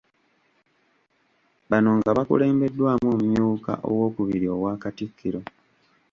Bano nga bakulembeddwamu Omumyuka owookubiri owa Katikkiro.